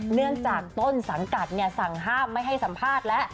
เนื่องจากต้นสังกัดสั่งห้ามไม่ให้สัมภาษณ์แล้ว